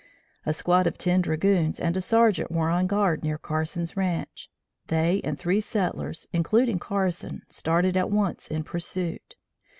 A squad of ten dragoons and a sergeant were on guard near Carson's ranche. They and three settlers, including Carson, started at once in pursuit.